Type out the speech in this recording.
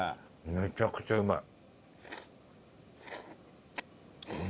めちゃくちゃうまい。